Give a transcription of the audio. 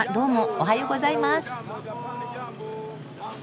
おはようございます。